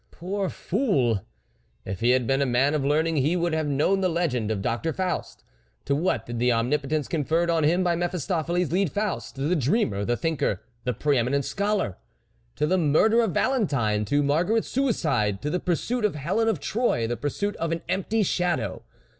Poor fool ! If he had been a man of learning, he would have known the legend of Doctor Faust. To what did the om nipotence conferred on him by Mephis topheles lead Faust, the dreamer, the thinker, the pre eminent scholar? To the murder of Valentine ! to Margaret's suicide ! to the pursuit of Helen of Troy, the pursuit of an empty shadow